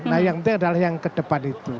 nah yang penting adalah yang ke depan itu